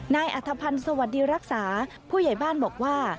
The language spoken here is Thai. นายอัธพันธ์สวัสดีรักษาผู้ใหญ่บ้านบอกว่า